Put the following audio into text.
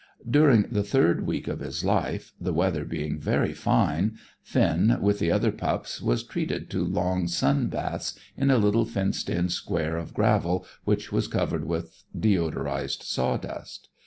During the third week of his life, the weather being very fine, Finn, with the other pups, was treated to long sun baths in a little fenced in square of gravel which was covered with deodorized sawdust.